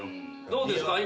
どうですか？